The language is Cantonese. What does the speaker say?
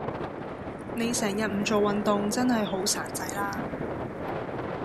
你成日唔做運動真係好孱仔啦